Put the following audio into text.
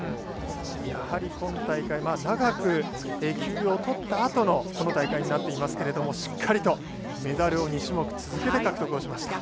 やはり今大会長く休養をとったあとのこの大会になっていますけれどもしっかりとメダルを２種目続けて獲得をしました。